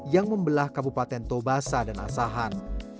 dan membelah kabupaten tobasa dan asahan